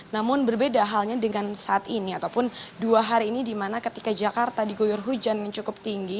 namun berbeda halnya dengan saat ini ataupun dua hari ini di mana ketika jakarta diguyur hujan yang cukup tinggi